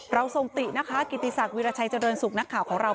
เราส่งตินะคะกิติศักดิราชัยเจริญสุขนักข่าวของเรา